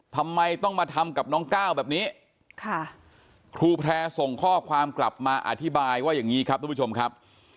ทำไมต้องมาทำกับน้องก้าวแบบนี้ค่ะครูแพร่ส่งข้อความกลับมาอธิบายว่าอย่างนี้ครับทุกผู้ชมครับ